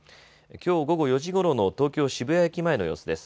きょう午後４時ごろの東京渋谷駅前の様子です。